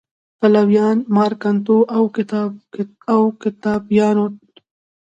پلویان مارک انتو او اوکتاویان و